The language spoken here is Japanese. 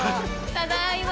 ただいま！